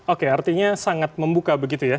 oke artinya sangat membuka begitu ya